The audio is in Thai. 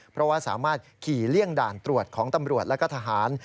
เพราะว่าสามารถขี่เลี่ยงด่านตรวจของตำรวจและก็ทหาร